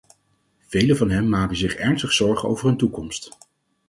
Velen van hen maken zich ernstig zorgen over hun toekomst.